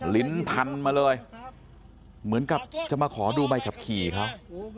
ลิ้นพันมาเลยเหมือนกับจะมาขอดูใบขับขี่เขา